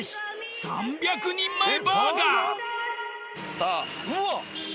さぁうわっ！